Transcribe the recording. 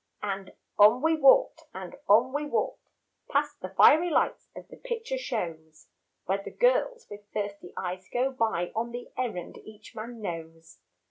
And on we walked and on we walked Past the fiery lights of the picture shows Where the girls with thirsty eyes go by On the errand each man knows.